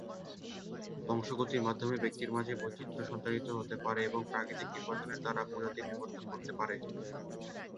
বংশগতির মাধ্যমে, ব্যক্তির মাঝে বৈচিত্র্য সঞ্চারিত হতে পারে এবং প্রাকৃতিক নির্বাচন দ্বারা প্রজাতির বিবর্তন ঘটতে পারে।